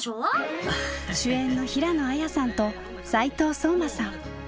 主演の平野綾さんと斉藤壮馬さん。